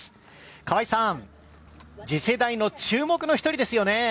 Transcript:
河合さん、次世代の注目の一人ですよね。